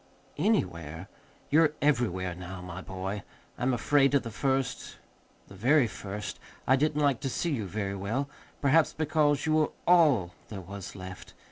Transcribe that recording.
"Anywhere? You're everywhere now, my boy. I'm afraid, at the first, the very first, I didn't like to see you very well, perhaps because you were ALL there was left.